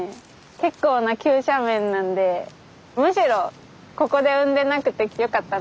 結構な急斜面なんでむしろここで産んでなくてよかったなって。